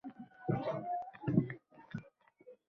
Keling, avvalo «ta’lim nima?» degan savolga javob beraylik.